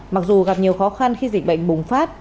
mặc dù gặp nhiều khó khăn khi dịch bệnh bùng phát